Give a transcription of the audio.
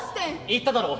「言っただろ。